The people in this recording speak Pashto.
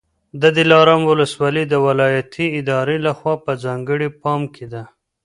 د دلارام ولسوالي د ولایتي ادارې لخوا په ځانګړي پام کي ده.